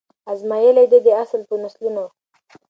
آزمیېلی دی دا اصل په نسلونو